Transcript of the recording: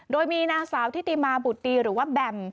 โดยมีหน้าสาวที่ตีมาบุตรตีหรือว่าแบ่ม